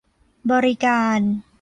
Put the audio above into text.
บริการ